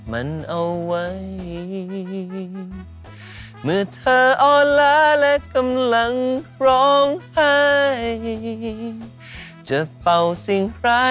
พรุ่งนี้พี่เจมส์มาดูสิคะ